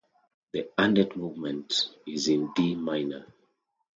The "Andante" movement is in D minor.